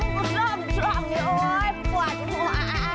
ฝนหลายสว่างเฉยโอ๊ยกว่าถ่วะ